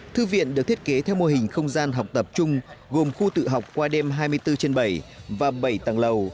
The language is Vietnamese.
thư viện được thiết kế theo mô hình không gian học tập chung gồm khu tự học qua đêm hai mươi bốn trên bảy và bảy tầng lầu